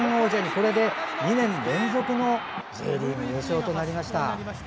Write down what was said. これで、２年連続のＪリーグ優勝となりました。